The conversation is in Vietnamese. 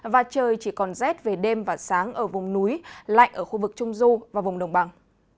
và trời chỉ còn rét về đêm và sáng ở vùng núi lạnh ở khu vực trung du và vùng đồng bằng